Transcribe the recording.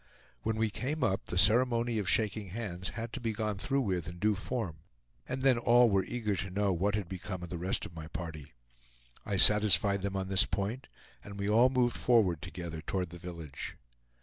When we came up the ceremony of shaking hands had to be gone through with in due form, and then all were eager to know what had become of the rest of my party. I satisfied them on this point, and we all moved forward together toward the village.